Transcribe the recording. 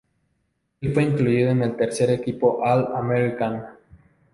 En fue incluido en el tercer equipo All-American.